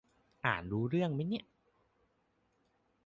อ่านรู้เรื่องมั๊ยเนี่ย